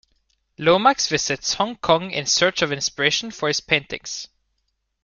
Lomax visits Hong Kong in search of inspiration for his paintings.